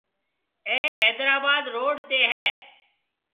اي حيدرآباد روڊ تي ھيَََ